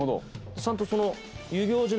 ちゃんとその。